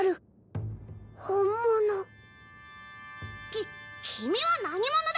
き君は何者だ！